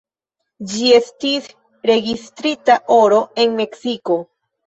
Ĝi estis registrita oro en Meksiko.